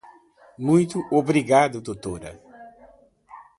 Muito obrigada Doutora.